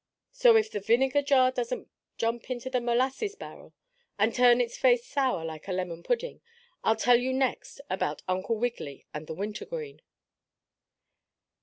So if the vinegar jug doesn't jump into the molasses barrel and turn its face sour like a lemon pudding, I'll tell you next about Uncle Wiggily and the winter green.